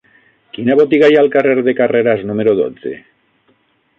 Quina botiga hi ha al carrer de Carreras número dotze?